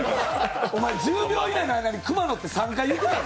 １０秒以内の間に熊野って３回言ってたぞ。